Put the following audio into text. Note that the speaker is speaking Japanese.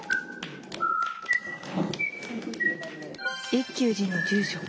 一休寺の住職